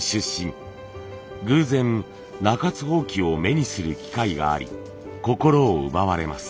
偶然中津箒を目にする機会があり心を奪われます。